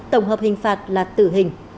tổng hợp hình phạt là tử hình